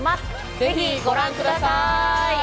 ぜひご覧ください！